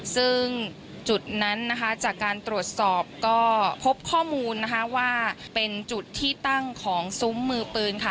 ซึ่งจุดนั้นนะคะจากการตรวจสอบก็พบข้อมูลนะคะว่าเป็นจุดที่ตั้งของซุ้มมือปืนค่ะ